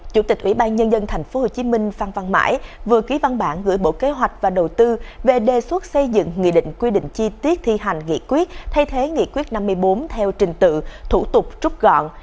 chủ tịch ủy ban nhân dân tp hcm phan văn mãi vừa ký văn bản gửi bộ kế hoạch và đầu tư về đề xuất xây dựng nghị định quy định chi tiết thi hành nghị quyết thay thế nghị quyết năm mươi bốn theo trình tự thủ tục trúc gọn